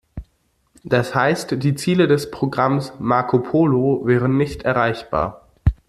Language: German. Das heißt, die Ziele des Programms 'Marco Polo' wären nicht erreichbar.